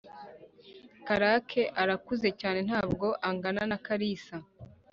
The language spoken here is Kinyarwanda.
karake arakuze cyane ntabwo angana na kalisa